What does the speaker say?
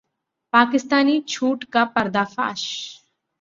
पाकिस्तानी झूठ का पर्दाफाश